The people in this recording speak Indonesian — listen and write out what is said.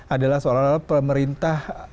adalah seolah olah pemerintah